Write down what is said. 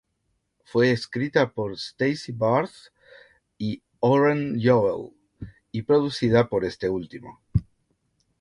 Fue escrita por Stacy Barthe y Oren Yoel, y producida por este último.